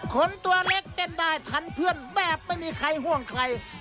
คนตัวเล็กเต้นได้ทันเพื่อนแบบไม่มีใครห่วงใคร